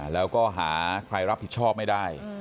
แล้วก็หาใครรับผิดชอบไม่ได้